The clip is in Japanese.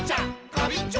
ガビンチョ！